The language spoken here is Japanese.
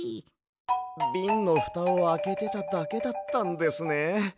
ビンのふたをあけてただけだったんですね。